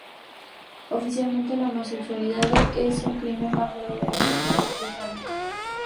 Oficialmente, la homosexualidad es un crimen bajo el gobierno teocrático islámico.